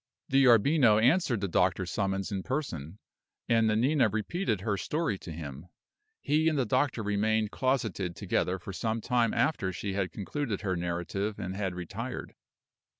D'Arbino answered the doctor's summons in person; and Nanina repeated her story to him. He and the doctor remained closeted together for some time after she had concluded her narrative and had retired.